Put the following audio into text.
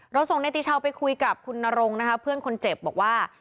ส่งในติชาวไปคุยกับคุณนรงค์นะคะเพื่อนคนเจ็บบอกว่า